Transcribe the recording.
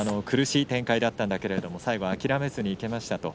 苦しい展開だったんだけれども最後、諦めずにいけました。